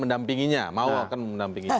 mendampinginya mau akan mendampinginya